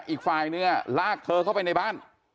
อีกฝ่ายนึงลากเธอเข้าไปในบ้าน